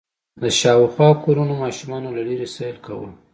د شاوخوا کورونو ماشومانو له لېرې سيل کوه.